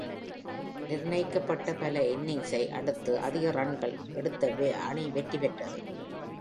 நிர்ணயிக்கப்பட்ட பல இன்னிங்ஸை அடுத்து அதிக ரன்கள் எடுத்த அணி வெற்றி பெற்றது.